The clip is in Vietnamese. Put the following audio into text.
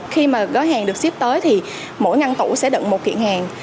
khi mà gói hàng được ship tới thì mỗi ngăn tủ sẽ đựng một kiện hàng